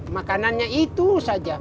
makanannya itu saja